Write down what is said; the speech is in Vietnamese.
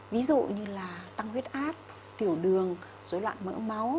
ví dụ như là tăng huyết áp tiểu đường dối loạn mỡ máu